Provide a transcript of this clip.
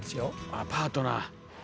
あパートナー。